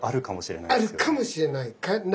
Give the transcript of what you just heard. ないかもしれない。